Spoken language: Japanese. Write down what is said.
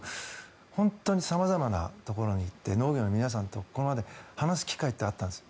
本当に様々なところに行って農業の皆さんとここまで話す機会ってあったんです。